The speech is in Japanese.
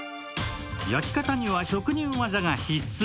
焼き方には職人技が必須。